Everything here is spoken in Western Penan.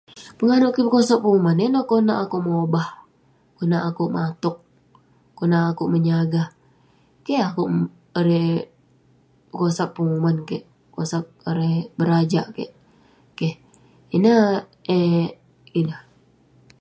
penganouk kik pekosak penguman yan neh konak akouk mobah, konak akouk matok, konak akouk menyagah, keh akouk erei..pekosak penguman keik pekosak erei..berajak keik, keh ineh eh ineh